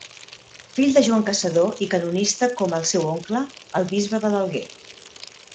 Fill de Joan Caçador i canonista com el seu oncle, el bisbe de l'Alguer.